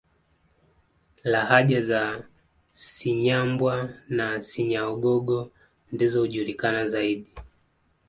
Lahaja za Cinyambwa na Cinyaugogo ndizo hujulikana zaidi